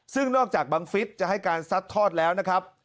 ซึ่งนอกจากบังฟิศจะให้การซัดทอดแล้วนะครับ